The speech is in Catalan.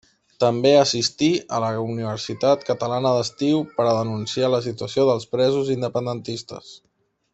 També assistí a la Universitat Catalana d'Estiu per a denunciar la situació dels presos independentistes.